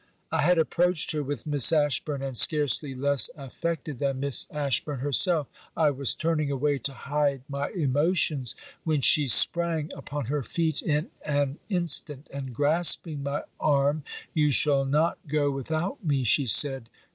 I had approached her with Miss Ashburn, and, scarcely less affected than Miss Ashburn herself, I was turning away to hide my emotions when she sprang upon her feet in an instant; and, grasping my arm, 'you shall not go without me,' she said.